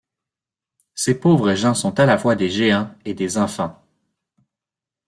Ces pauvres gens sont à la fois des géants et des enfants.